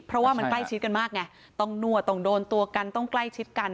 เพราะว่ามันใกล้ชิดกันมากไงต้องนวดต้องโดนตัวกันต้องใกล้ชิดกัน